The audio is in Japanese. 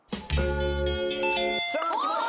さあきました